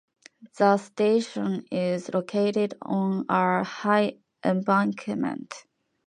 The station is located on a high embankment.